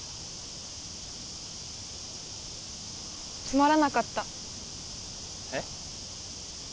つまらなかったえっ？